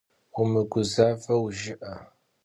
Vumıguzaveu jjı'e!